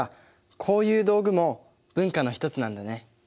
こういう道具も文化の一つなんだね。